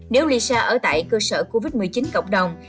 nếu lisa ở tại cơ sở covid một mươi chín cộng đồng